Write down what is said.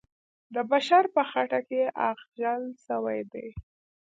د بشر په خټه کې اغږل سوی دی.